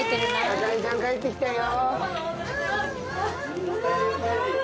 茜ちゃん帰ってきたよ。